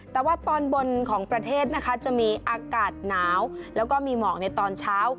แต่ว่าตอนบนของประเทศนะคะจะมีอากาศหนาวแล้วก็มีหมอกในตอนเช้า